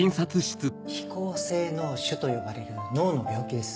肥厚性脳腫と呼ばれる脳の病気です。